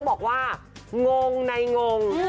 ต้องบอกว่างงในงง